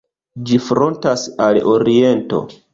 Ĝi frontas al oriento.